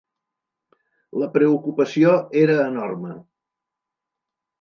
La preocupació era enorme.